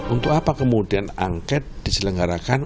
untuk apa kemudian angket diselenggarakan